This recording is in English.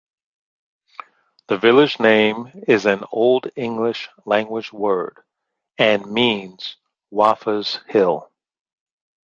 The village name is an Old English language word, and means 'Wafa's hill'.